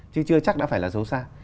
chứ chưa chắc đã phải là xấu xa